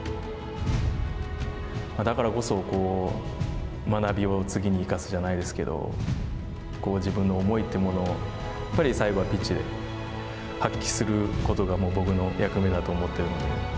だからこそ学びを次に生かすじゃないですけど、自分の思いというものをやっぱり最後はピッチで発揮することが僕の役目だと思っているので。